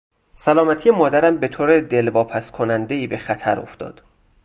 سلامتی مادرم به طور دلواپسکنندهای به خطر افتاد.